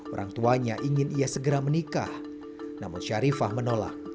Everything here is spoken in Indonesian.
orang tuanya ingin ia segera menikah namun syarifah menolak